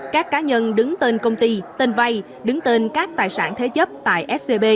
các cá nhân đứng tên công ty tên vay đứng tên các tài sản thế chấp tại scb